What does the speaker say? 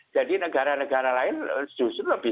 negara negara lain justru lebih